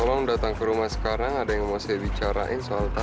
polong datang ke rumah sekarang ada yang mau saya bicarain soal asian